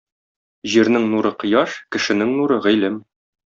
Җирнең нуры кояш, кешенең нуры гыйлем.